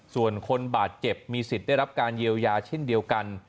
ส่วนคนบาดเจ็บมีสิทธิ์ได้รับการเยียวยาเช่นเดียวกัน